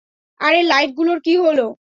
আরে লাইট গুলোর কি হলো?